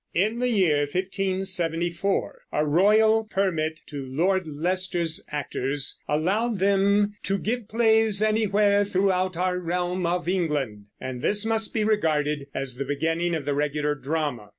In the year 1574 a royal permit to Lord Leicester's actors allowed them "to give plays anywhere throughout our realm of England," and this must be regarded as the beginning of the regular drama.